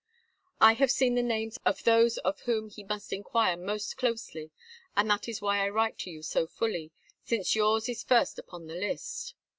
I have seen the names of those of whom he must inquire most closely, and that is why I write to you so fully, since yours is first upon the list.